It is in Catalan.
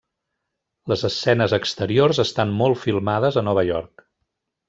Les escenes exteriors estan molt filmades a Nova York.